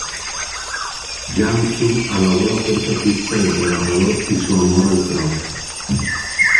Yang Zhu alabó la fuerza física del trabajador y su amor al trabajo.